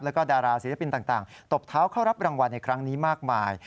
แล้วก็ดาราศิลปินต่างตบเท้าเข้ารับรางวัลในครั้งนี้มากมาย